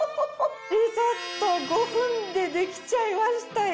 リゾット５分でできちゃいましたよ